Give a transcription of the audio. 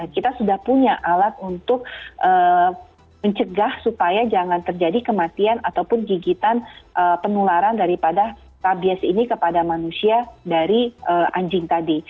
kita sudah punya alat untuk mencegah supaya jangan terjadi kematian ataupun gigitan penularan daripada rabies ini kepada manusia dari anjing tadi